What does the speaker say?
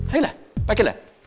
ayolah pake lah